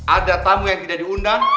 ada tamu yang tidak diundang